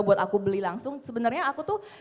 buat aku beli langsung sebenarnya aku tuh